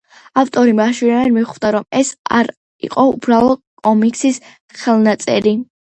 ავტორი მაშინვე მიხვდა რომ ეს არ იყო უბრალოდ კომიქსის ხელნაწერი.